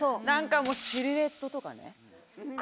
何かもうシルエットとかね。